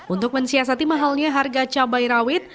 untuk mensiasati mahalnya harga cabai rawit